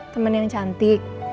temen yang cantik